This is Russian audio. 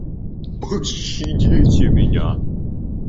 Пощадите меня!